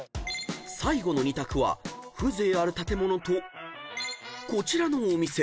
［最後の２択は風情ある建物とこちらのお店］